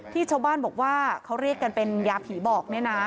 ชาวบ้านบอกว่าเขาเรียกกันเป็นยาผีบอกเนี่ยนะ